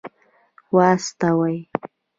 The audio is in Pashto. واستوي.